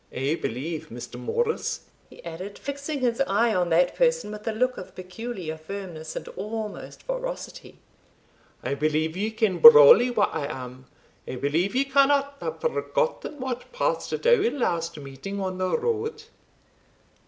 I believe, Mr. Morris," he added, fixing his eye on that person with a look of peculiar firmness and almost ferocity "I believe ye ken brawly what I am I believe ye cannot have forgotten what passed at our last meeting on the road?"